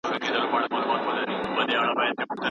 زه هڅه کوم چي له غلطو لارو ځان وساتم.